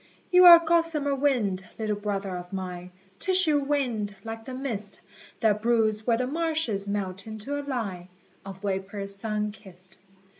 You are gossamer winged, little brother of mine, Tissue winged, like the mist That broods where the marshes melt into a line Of vapour sun kissed.